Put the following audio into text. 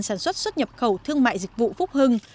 sản xuất xuất nhập khẩu thương mại dịch vụ phúc hưng